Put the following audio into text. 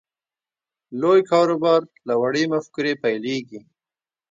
لوی کاروبار له وړې مفکورې پیلېږي